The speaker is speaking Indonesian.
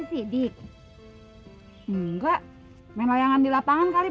meh meh enggak melayangkan di lapangan kali